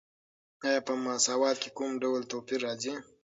آیا په مساوات کې کوم ډول توپیر راځي؟